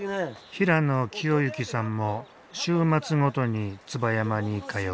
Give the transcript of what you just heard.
平野清幸さんも週末ごとに椿山に通う。